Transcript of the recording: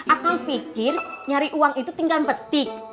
aku pikir nyari uang itu tinggal petik